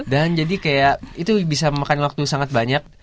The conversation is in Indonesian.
dan jadi kayak itu bisa memakan waktu sangat banyak